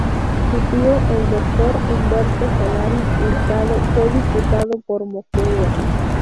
Su tío, el doctor Humberto Solari Hurtado fue Diputado por Moquegua.